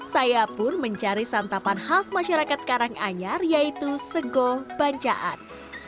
saya pun mencari santapan khas masyarakat karanganyar yaitu sego bancaan